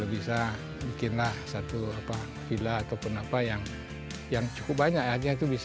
dia bisa bikin satu villa yang cukup banyak